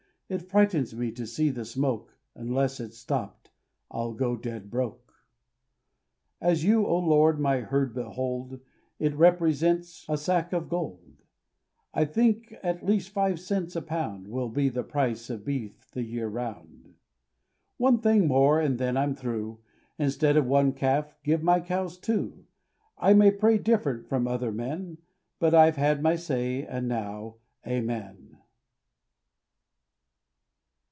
It frightens me to see the smoke; Unless it's stopped, I'll go dead broke. As you, O Lord, my herd behold, It represents a sack of gold; I think at least five cents a pound Will be the price of beef the year around. One thing more and then I'm through, Instead of one calf, give my cows two. I may pray different from other men But I've had my say, and now, Amen.